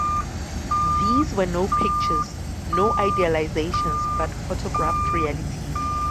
These were no pictures, no idealisations, but photographed realities.